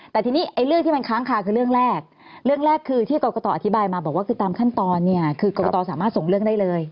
แต่ทีนี้ไอ้เรื่องที่มันค้างคาคือเรื่องแรกเรื่องแรกคือที่กรกตอธิบายมาบอกว่าคือตามขั้นตอนเนี่ยคือกรกตสามารถส่งเรื่องได้เลย